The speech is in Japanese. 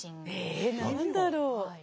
え何だろう？